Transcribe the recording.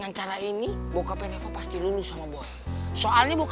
weh lo lagi serius nih